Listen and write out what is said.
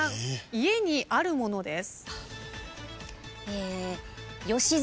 家にあるものです。